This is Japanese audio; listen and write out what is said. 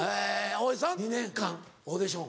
大橋さんは２年間オーディション。